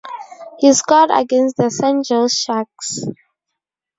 He scored against the San Jose Sharks.